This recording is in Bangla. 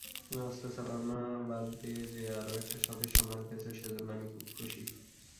তুমি অস্ত্র চালনা বাদে যে আরো একটা শখের সন্ধান পেয়েছ সেজন্য আমি খুব খুশি!